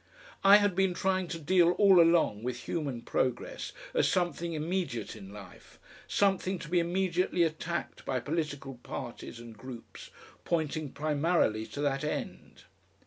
I had been trying to deal all along with human progress as something immediate in life, something to be immediately attacked by political parties and groups pointing primarily to that end.